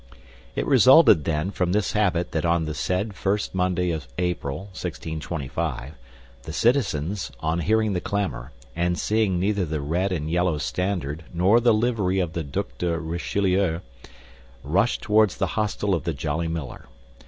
It resulted, then, from this habit that on the said first Monday of April, 1625, the citizens, on hearing the clamor, and seeing neither the red and yellow standard nor the livery of the Duc de Richelieu, rushed toward the hostel of the Jolly Miller.